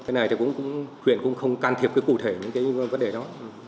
cái này thì huyện cũng không can thiệp cụ thể những vấn đề đó